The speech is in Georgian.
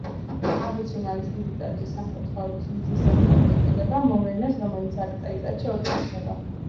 აბუ-სიმბალის დიდი ტაძრის საკურთხევლის „მზის სასწაული“ ეწოდება მოვლენას, რომელიც აქ წელიწადში ორჯერ ხდება.